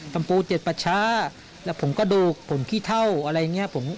ปูเจ็ดประชาแล้วผงกระดูกผมขี้เท่าอะไรอย่างนี้